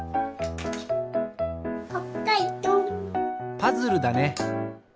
パズルだね。